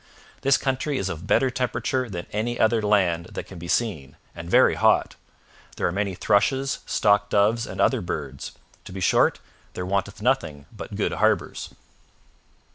This country is of better temperature than any other land that can be seen, and very hot. There are many thrushes, stock doves, and other birds. To be short, there wanteth nothing but good harbours.'